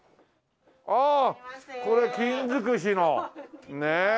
ああこれ金尽くしのねえ。